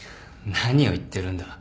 何を言ってるんだ。